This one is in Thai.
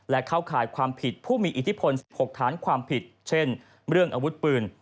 และเข้าข่ายความผิดผู้มีอิทธิพล๑๖ฐานความผิดเช่นเรื่องอาวุธปืน